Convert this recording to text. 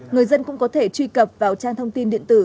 người dân cũng có thể truy cập vào trang thông tin điện tử